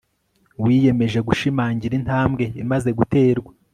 wiyemeje gushimangira intambwe imaze guterwa